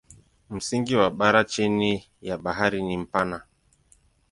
Msingi wa bara chini ya bahari ni mpana.